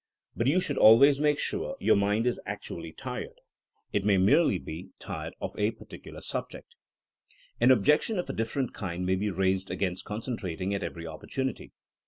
But you should always make sure your mind is actually tired. It may merely be tired of a particular subject. An objection of a different kind may be raised against concentrating at every opportunity.